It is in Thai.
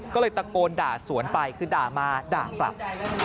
ก็เลยตะโกนด่าสวนไปคือด่ามาด่ากลับ